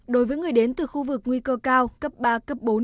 đối với người đến từ khu vực nguy cơ cao cấp ba cấp bốn